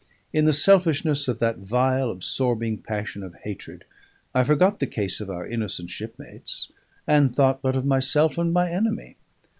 In the selfishness of that vile, absorbing passion of hatred, I forgot the case of our innocent shipmates, and thought but of myself and my enemy.